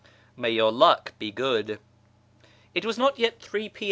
{" May your luck be good!"'). It was not yet 3 I'.